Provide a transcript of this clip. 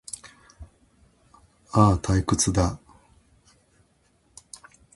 ああ、退屈だ